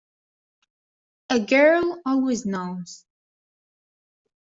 A girl always knows.